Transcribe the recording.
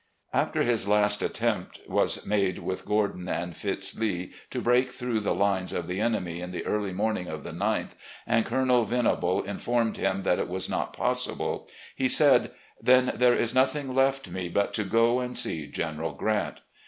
After his last attempt was made with Gordon and Fitz Lee to break through the lines of the enemy in the early morning of the 9th, and Colonel Venable informed him that it was not possible, he said : "Then there is nothing left me but to go and see Gen eral Grant."